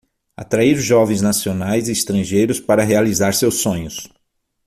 Atrair jovens nacionais e estrangeiros para realizar seus sonhos